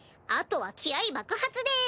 あとは気合い爆発で。